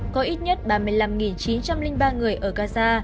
có ít nhất ba mươi năm chín trăm linh ba người ở gaza